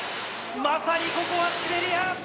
まさにここはシベリア！